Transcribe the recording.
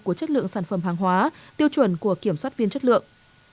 của chất lượng sản phẩm hàng hóa tiêu chuẩn của kiểm soát viên chất lượng